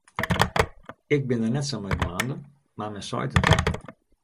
Ik bin dêr net sa mei dwaande, mar men seit it.